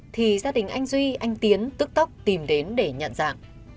thì gia đình anh duy anh tiến tức tốc tìm đến để nhận dạng